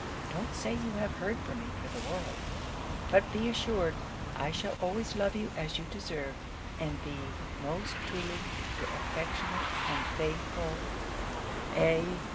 Don't say you have heard from me, for the world; but be assured I shall always love you as you deserve, and be most truly your affectionate and faithful, A.